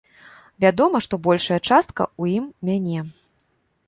Вядома, што большая частка ў ім мяне.